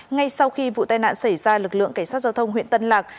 ngay sau khi vụ tai nạn xảy ra lực lượng cảnh sát giao thông huyện tân lạc